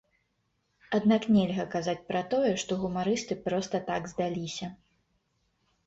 Аднак нельга казаць пра тое, што гумарысты проста так здаліся.